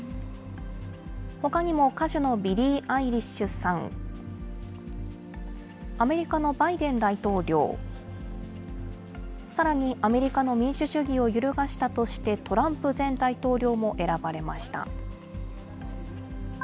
ほかにも歌手のビリー・アイリッシュさん、アメリカのバイデン大統領、さらにアメリカの民主主義を揺るがしたとして、トランプ前大統領も選ばれました。